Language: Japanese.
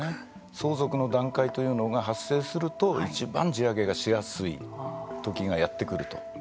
相続の段階というのが発生するといちばん地上げがしやすい時がやってくると。